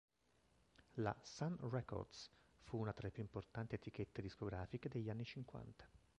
La Sun Records fu una tra le più importanti etichette discografiche degli anni Cinquanta.